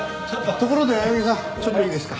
ところで青柳さんちょっといいですか？